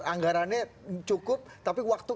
anggarannya cukup tapi waktu